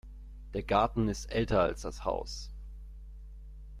Der Garten ist älter als das Haus.